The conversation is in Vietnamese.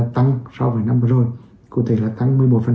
tăng so với năm vừa rồi cụ thể là tăng một mươi một